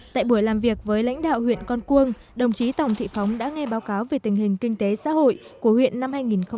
tại buổi làm việc với lãnh đạo huyện con cuông đồng chí tòng thị phóng đã nghe báo cáo về tình hình kinh tế xã hội của huyện năm hai nghìn một mươi tám